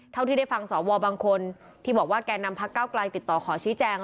เท่าที่ได้ฟังสวบางคนที่บอกว่าแก่นำพักเก้าไกลติดต่อขอชี้แจง